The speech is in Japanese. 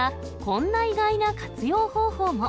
こんな意外な活用方法も。